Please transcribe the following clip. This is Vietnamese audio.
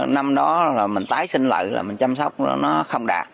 năm đó là mình tái sinh lợi là mình chăm sóc nó không đạt